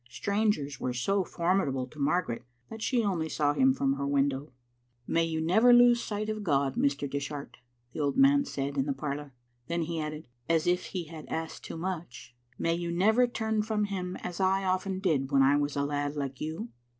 Strangers were so formidable to Margaret that she only saw him from her window. " May you never lose sight of God, Mr. Dishart," the old man said in the parlour. Then he added, as if he had asked too much, " May you never turn from Him as I often did when I was a lad like you."